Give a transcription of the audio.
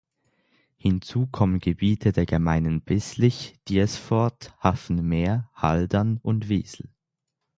Hinzu kommen Gebiete der Gemeinden Bislich, Diersfordt, Haffen-Mehr, Haldern und Wesel.